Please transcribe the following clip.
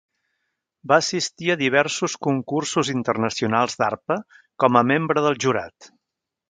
Va assistir a diversos concursos internacionals d'arpa com a membre del jurat.